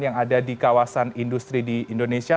yang ada di kawasan industri di indonesia